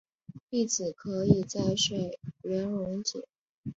粒子可在水源溶解。